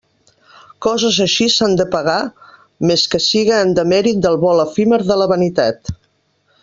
Coses així s'han de pagar, més que siga en demèrit del vol efímer de la vanitat.